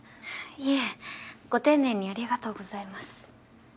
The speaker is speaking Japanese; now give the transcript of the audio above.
いえご丁寧にありがとうございます。